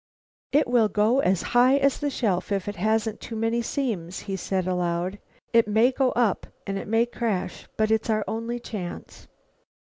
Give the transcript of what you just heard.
"It will go as high as the shelf if it hasn't too many seams," he said aloud. "It may go up. And it may crash. But it's our only chance."